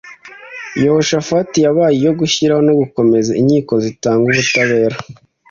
Yehoshafati yabaye iyo gushyiraho no gukomeza inkiko zitanga ubutabera